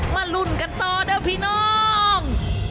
มาลุ้นกันต่อนะพี่น้อง